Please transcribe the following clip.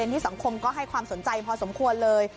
ที่สังคมก็ให้ความสนใจพอสมควรเลย